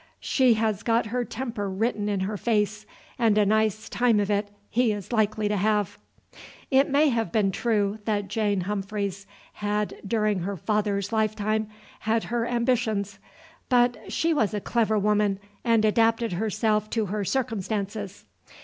She has got her temper written in her face, and a nice time of it he is likely to have." It may have been true that Jane Humphreys had during her father's lifetime had her ambitions, but she was a clever woman and adapted herself to her circumstances.